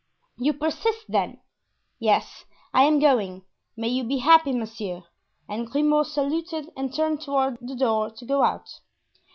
"You persist, then?" "Yes, I am going; may you be happy, monsieur," and Grimaud saluted and turned toward the door to go out.